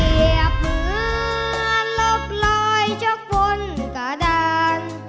เหลียบเหมือนลบลอยชกพลกระดาน